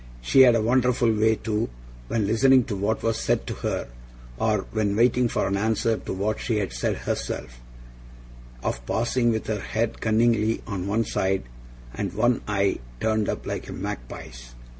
She had a wonderful way too, when listening to what was said to her, or when waiting for an answer to what she had said herself, of pausing with her head cunningly on one side, and one eye turned up like a magpie's.